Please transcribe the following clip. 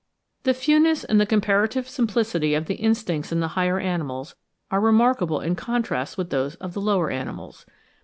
The fewness and the comparative simplicity of the instincts in the higher animals are remarkable in contrast with those of the lower animals.